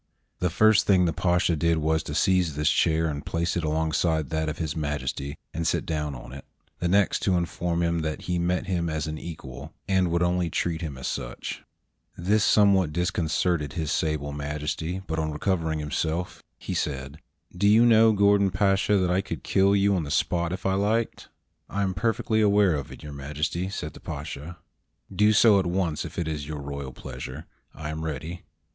The first thing the Pasha did was to seize this chair and place it alongside that of His Majesty, and sit down on it; the next to inform him that he met him as an equal, and would only treat him as such. This somewhat discon certed his sable Majesty, but on recovering himself, he ' Pasha is a Turkish title, equivalent to " lord " or "general." 238 HOW GORDON OUTWITTED THE KING said, "Do you know, Gordon Pasha, that I could kill you on the spot if I liked? " "I am perfectly aware of it, Your Majesty," said the Pasha. "Do so at once if it is your royal pleasure. I am ready."